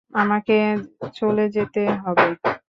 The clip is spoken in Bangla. আমাকে চলে যেতে হবে।